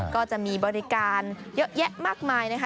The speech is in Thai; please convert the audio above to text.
ก็จะมีบริการเยอะแยะมากมายนะคะ